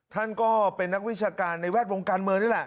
ท่านก็เป็นนักวิชาการในแวดวงการเมืองนี่แหละ